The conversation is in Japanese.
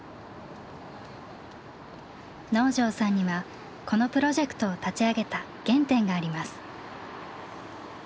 能條さんにはこのプロジェクトを立ち上げた原点があります。